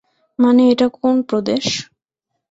মানে এটা কোন প্রদেশ?